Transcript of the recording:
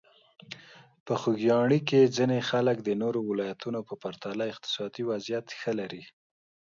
په خوږیاڼي کې ځینې خلک د نورو ولایتونو په پرتله اقتصادي وضعیت ښه لري.